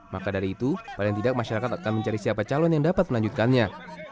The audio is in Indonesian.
maka dari itu paling tidak masyarakat akan mencari siapa calon yang dapat melanjutkannya